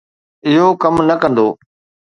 اهو ڪم نه ڪندو.